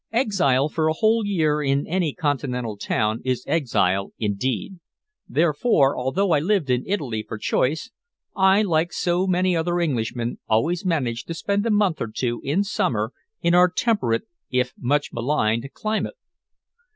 Exile for a whole year in any continental town is exile indeed; therefore, although I lived in Italy for choice, I, like so many other Englishmen, always managed to spend a month or two in summer in our temperate if much maligned climate.